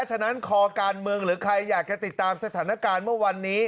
ฉะนั้นคอการเมืองหรือใครอยากจะติดตามสถานการณ์เมื่อวันนี้